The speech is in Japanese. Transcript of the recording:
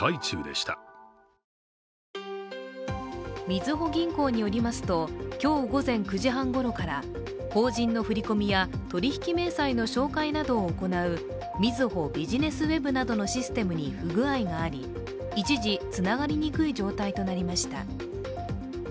みずほ銀行によりますと今日午前９時半ごろから法人の振り込みや、取引明細の照会などを行うみずほビジネスＷＥＢなどのシステムに不具合があり一時つながりにくい状態となりました。